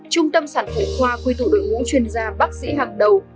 trung tâm sản phụ khoa quy tụ đội ngũ chuyên gia bác sĩ hàng đầu